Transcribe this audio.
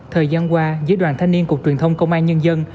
thời gian qua dưới đoàn thanh niên cục truyền thông công an nhân dân